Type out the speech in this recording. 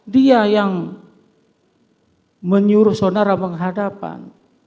dia yang menyuruh saudara menghadapan